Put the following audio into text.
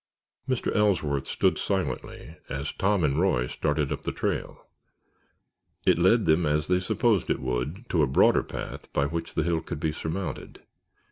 Mr. Ellsworth stood silently as Tom and Roy started up the trail. It led them, as they had supposed it would, to a broader path by which the hill could be surmounted.